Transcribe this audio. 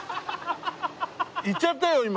行っちゃったよ今！